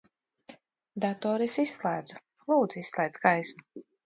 Datoru es izslēdzu. Lūdzu, izslēdz gaismu.